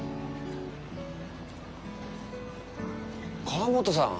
川本さん。